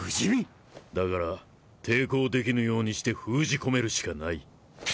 だから抵抗できぬようにして封じ込めるしかない。